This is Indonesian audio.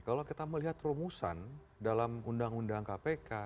kalau kita melihat rumusan dalam undang undang kpk